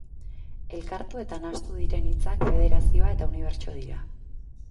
Elkartu eta nahastu diren hitzak, federazioa eta unibertso dira.